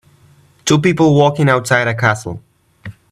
Two people walking outside a castle.